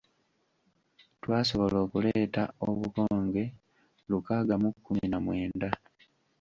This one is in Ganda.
Twasobola okuleeta obukonge lukaaga mu kkumi na mwenda.